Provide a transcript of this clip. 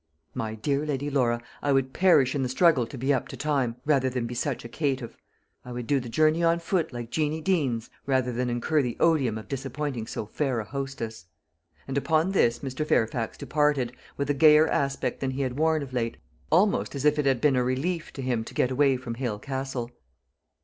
"My dear Lady Laura, I would perish in the struggle to be up to time, rather than be such a caitiff. I would do the journey on foot, like Jeannie Deans, rather than incur the odium of disappointing so fair a hostess." And upon this Mr. Fairfax departed, with a gayer aspect than he had worn of late, almost as if it had been a relief to him to get away from Hale Castle.